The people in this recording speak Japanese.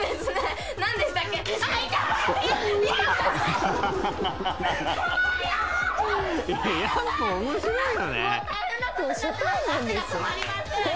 すごーい！」